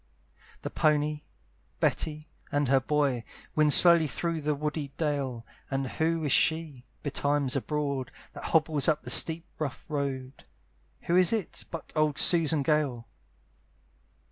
The pony, Betty, and her boy, Wind slowly through the woody dale: And who is she, be times abroad, That hobbles up the steep rough road? Who is it, but old Susan Gale?